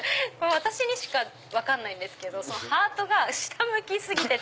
私にしか分かんないんですけどハートが下向き過ぎてて。